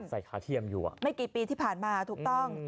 ขาเทียมอยู่อ่ะไม่กี่ปีที่ผ่านมาถูกต้อง